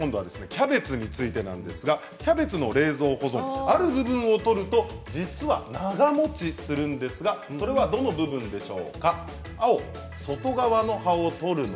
キャベツについてなんですがキャベツの冷蔵保存ある部分をとると実は長もちするんですがそれはどの部分でしょうか？